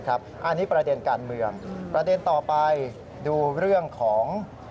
อันนี้ประเด็นการเมืองประเด็นต่อไปดูเรื่องของ